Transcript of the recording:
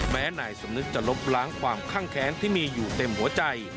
นายสมนึกจะลบล้างความข้างแค้นที่มีอยู่เต็มหัวใจ